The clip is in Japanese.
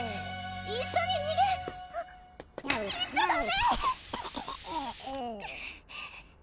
一緒ににげ行っちゃダメ！